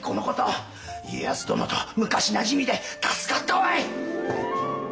家康殿と昔なじみで助かったわい！